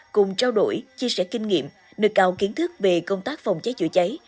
cùng trao đổi chia sẻ kinh nghiệm nực cao kiến thức về công tác phòng cháy chữa cháy